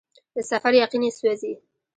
د سفر یقین یې سوزي